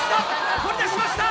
掘り出しました！